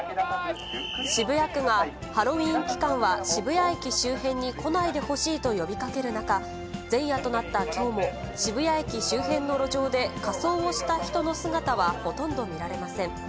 渋谷区が、ハロウィーン期間は渋谷駅周辺に来ないでほしいと呼びかける中、前夜となったきょうも、渋谷駅周辺の路上で仮装をした人の姿はほとんど見られません。